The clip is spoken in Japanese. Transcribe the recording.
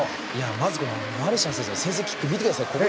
まずマルシャン選手のキック見てください。